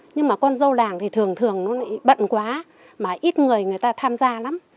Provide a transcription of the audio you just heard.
nhưng mà con dâu làng thì thường thường nó lại bận quá mà ít người người ta tham gia lắm